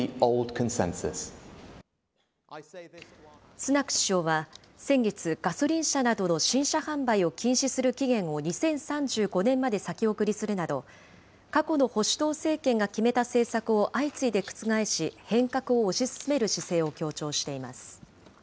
スナク首相は先月、ガソリン車などの新車販売を禁止する期限を２０３５年まで先送りするなど、過去の保守党政権が決めた政策を相次いで覆し、変革を推し進める姿勢を強調しています。